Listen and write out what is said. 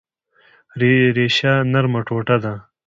ریشم نرمه ټوټه ده